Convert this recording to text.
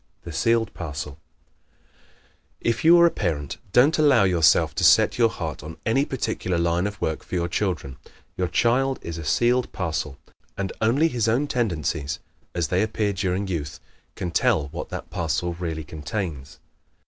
The Sealed Parcel ¶ If you are a parent don't allow yourself to set your heart on any particular line of work for your children. Your child is a sealed parcel and only his own tendencies, as they appear during youth, can tell what that parcel really contains.